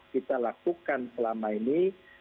kita lakukan selama ini